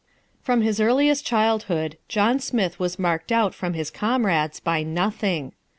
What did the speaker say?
From his earliest childhood John Smith was marked out from his comrades by nothing.